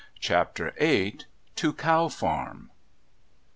CHAPTER VIII. TO COW FARM!